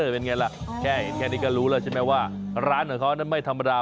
เป็นไงล่ะแค่เห็นแค่นี้ก็รู้แล้วใช่ไหมว่าร้านของเขานั้นไม่ธรรมดา